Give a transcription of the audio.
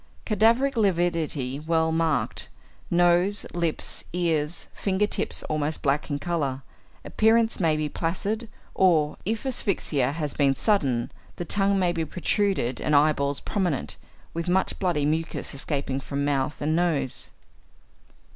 _ Cadaveric lividity well marked; nose, lips, ears, finger tips almost black in colour; appearance may be placid or, if asphyxia has been sudden, the tongue may be protruded and eyeballs prominent, with much bloody mucus escaping from mouth and nose.